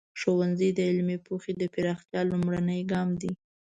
ښوونځی د علمي پوهې د پراختیا لومړنی ګام دی.